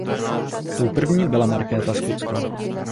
Tou první byla Markéta Skotská.